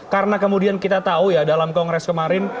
karena kemudian kita tahu ya dalam kongres kemarin